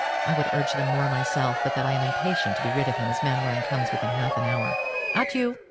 I would urge them more myself, but that I am impatient to be rid of him, as Mainwaring comes within half an hour. Adieu!